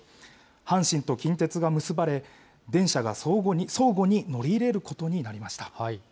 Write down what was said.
阪神と近鉄が結ばれ、電車が相互に乗り入れることになりました。